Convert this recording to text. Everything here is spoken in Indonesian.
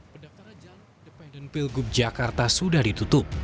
pada saat jalan dependent pilgub jakarta sudah ditutup